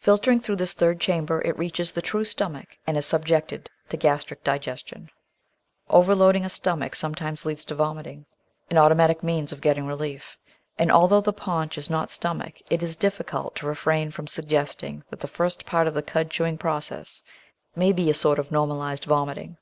Filtering through this third cham ber, it reaches the true stomach and is subjected to gastric digestion. Overloading a stomach sometimes leads to vomiting — an VOL. II — 12 474 The Outline of Science automatic means of getting relief — and although the paunch is not stomach it is difficult to refrain from suggesting that the first part of the cud chewing process may be a sort of normalised vomiting.